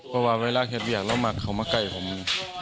เพราะว่าเวลาเฮียดเวียกแล้วมาเข้ามาไก่ผม